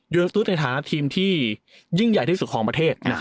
ตุ๊ดในฐานะทีมที่ยิ่งใหญ่ที่สุดของประเทศ